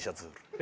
え？